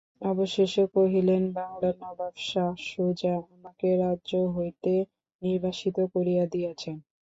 অবেশেষে কহিলেন, বাংলার নবাব শা সুজা আমাকে রাজ্য হইতে নির্বাসিত করিয়া দিয়াছেন।